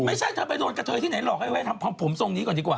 ไม่ใช่เธอไปโดนกระเทยที่ไหนหลอกให้ไว้ทำผมทรงนี้ก่อนดีกว่า